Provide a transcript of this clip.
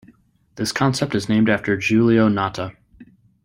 This concept is named after Giulio Natta.